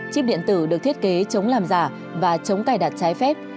chip điện tử được thiết kế chống làm giả và chống cài đặt trái phép